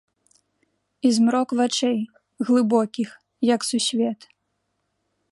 І змрок вачэй, глыбокіх, як сусвет.